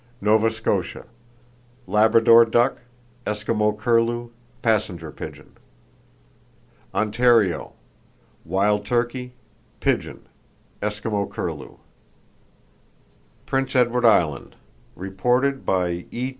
Nova Scotia: Labrador duck, Eskimo curlew, passenger pigeon. Ontario: Wild turkey, pigeon, Eskimo curlew. [Page 46] Prince Edward Island: (Reported by E.